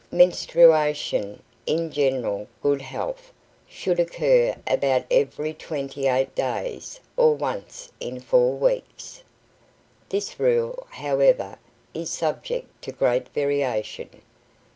Menstruation, in general good health, should occur about every twenty eight days, or once in four weeks. This rule, however, is subject to great variation.